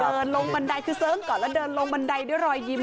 เดินลงบันไดคือเสิร์งก่อนแล้วเดินลงบันไดด้วยรอยยิ้ม